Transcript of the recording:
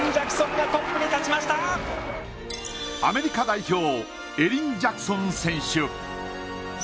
アメリカ代表、エリン・ジャクソン選手。